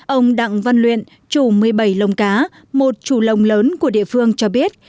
ông đặng văn luyện chủ một mươi bảy lồng cá một chủ lồng lớn của địa phương cho biết